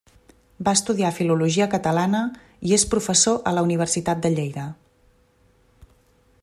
Va estudiar Filologia Catalana i és professor a la Universitat de Lleida.